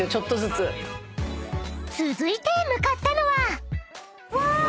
［続いて向かったのは］わ！